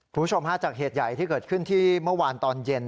คุณผู้ชมฮะจากเหตุใหญ่ที่เกิดขึ้นที่เมื่อวานตอนเย็น